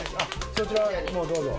そちらもうどうぞ。